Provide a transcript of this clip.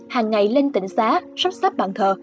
hàng ngày lên tỉnh xá sắp sắp bàn thờ